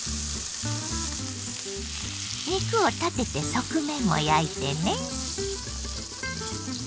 肉を立てて側面も焼いてね。